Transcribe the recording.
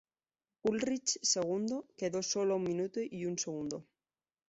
Ullrich, segundo, quedó solo a un minuto y un segundo.